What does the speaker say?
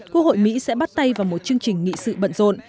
quốc hội mỹ sẽ bắt tay vào một chương trình nghị sự bận rộn